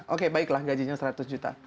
oke baiklah gajinya seratus juta